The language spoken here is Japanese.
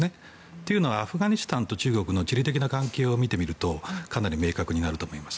というのはアフガニスタンと中国の地理的な関係を見るとかなり明確になると思います。